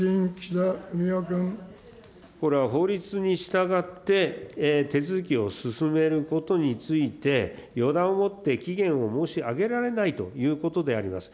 これは法律に従って、手続きを進めることについて、予断をもって期限を申し上げられないということであります。